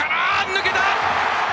抜けた！